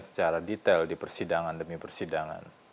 secara detail di persidangan demi persidangan